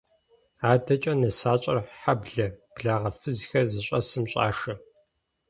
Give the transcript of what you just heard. АдэкӀэ нысащӀэр хьэблэ, благъэ фызхэр зыщӀэсым щӀашэ.